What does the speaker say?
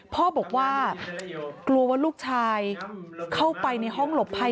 พ่อบอกว่ากลัวว่าลูกชายเข้าไปในห้องหลบภัย